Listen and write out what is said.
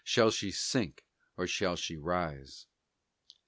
Shall she sink, or shall she rise?